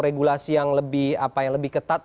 regulasi yang lebih ketat